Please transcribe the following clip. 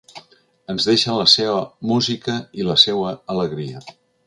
Ens deixa la seua música i la seua alegria.